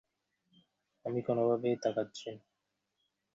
চাকর আসিয়া খবর দিল আহার প্রস্তুত– কিন্তু এখনো বিনয়ের স্নানও হয় নাই।